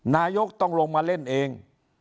นายกต้องลงมาเล่นเอง